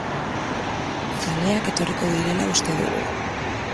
Zaleak etorriko direla uste dugu.